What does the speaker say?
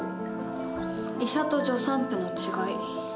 医者と助産婦の違い。